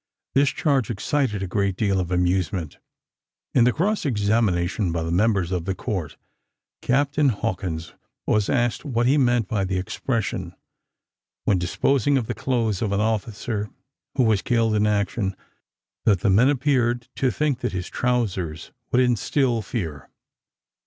This charge excited a great deal of amusement. In the cross examination by the members of the court, Captain Hawkins was asked what he meant by the expression, when disposing of the clothes of an officer who was killed in action, that the men appeared to think that his trowsers would instil fear.